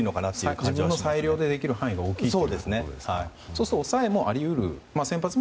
自分の裁量でできる範囲が大きいということですか？